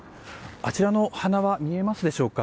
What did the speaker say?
あちらの花輪見えますでしょうか。